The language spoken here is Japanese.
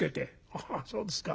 ああそうですか。